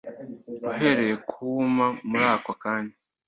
uhereye ko wuma muri ako kanya